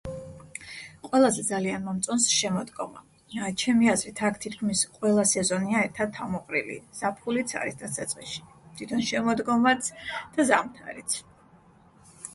ყველაზე ძალიან მომწონს შემოდგომა. ჩემი აზრით, აქ თითქმის ყველა სეზონია ერთად თავმოყრილი: ზაფხულიც არის დასაწყისში, თვითონ შემოდგომაც და ზამთარიც